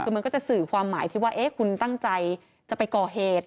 คือมันก็จะสื่อความหมายที่ว่าคุณตั้งใจจะไปก่อเหตุ